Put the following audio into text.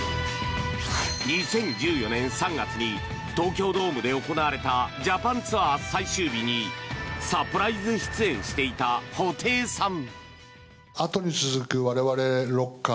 ２０１４年３月に東京ドームで行われたジャパンツアー最終日にサプライズ出演していた布袋さん。